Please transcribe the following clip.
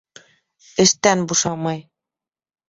Эштән бушамай.